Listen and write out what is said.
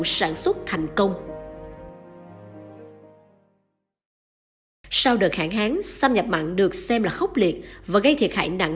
sản xuất lúa đông sương muộn giảm trên ba năm lần so với năm hai nghìn một mươi tám khi mà người dân thấy là nước mặn